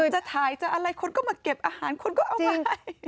จะถ่ายจะอะไรคนก็มาเก็บอาหารคนก็เอามา